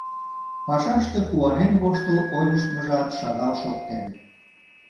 Пашаште куанен-воштыл ойлыштмыжат шагал шоктен.